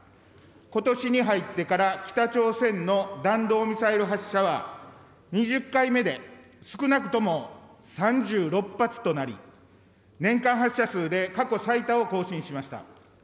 ことしに入ってから、北朝鮮の弾道ミサイル発射は２０回目で、少なくとも３６発となり、年間発射数で過去最多を更新しました。